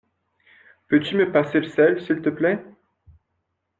Peux-tu me passer le sel s'il te plaît?